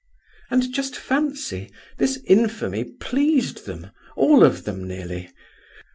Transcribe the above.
"And just fancy, this infamy pleased them, all of them, nearly.